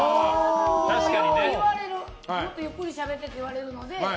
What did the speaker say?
もっとゆっくりしゃべってって言われるので。